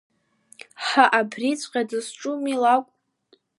Ҳы, абриҵәҟьагьы дызҿу ами алакә!